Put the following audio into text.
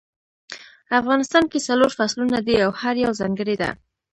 افغانستان کې څلور فصلونه دي او هر یو ځانګړی ده